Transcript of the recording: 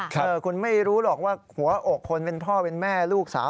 คุณไม่รู้หรอกว่าหัวอกคนเป็นพ่อเป็นแม่ลูกสาว